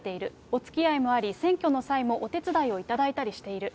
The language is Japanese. おつきあいもあり、選挙の際もお手伝いを頂いたりしている。